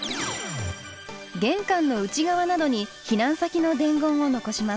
玄関の内側などに避難先の伝言を残します。